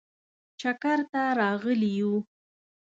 چکر ته راغلي یو.